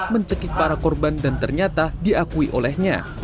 mencekik para korban dan ternyata diakui olehnya